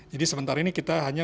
jadi sementara ini kita hanya